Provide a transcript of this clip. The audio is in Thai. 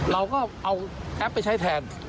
เราก็เอาแอปไปใช้แทน